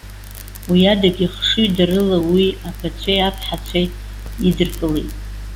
Уи адагьы, хшыҩдарыла уи аԥацәеи, аԥҳацәеи идыркылеит.